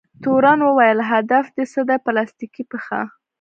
تورن وویل: هدف دې څه دی؟ پلاستیکي پښه؟